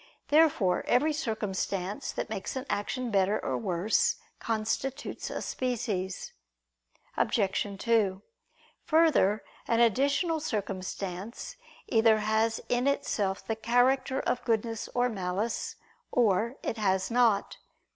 Therefore every circumstance that makes an action better or worse, constitutes a species. Obj. 2: Further, an additional circumstance either has in itself the character of goodness or malice, or it has not.